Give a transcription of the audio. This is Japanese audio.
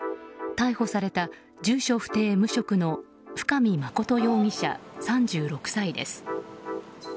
逮捕された住所不定・無職の深見誠容疑者、３６歳です。